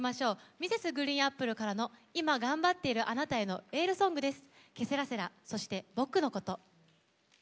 Ｍｒｓ．ＧＲＥＥＮＡＰＰＬＥからの今、頑張っているあなたへのエールソングです。